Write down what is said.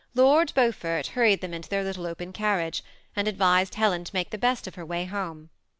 Lord Beaufort hurried them into their little open carriage, and advised Helen to make the best of her way home.